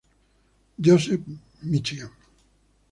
Joseph, Michigan.